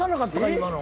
今の。